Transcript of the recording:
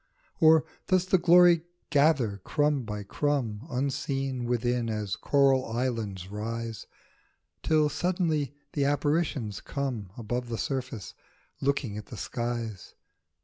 Or does the glory gather crumb by crumb Unseen, within, as coral islands rise, Till suddenly the apparitions come Above the surface, looking at the skies